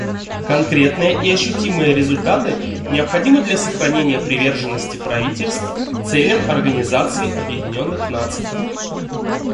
Конкретные и ощутимые результаты необходимы для сохранения приверженности правительств целям Организации Объединенных Наций.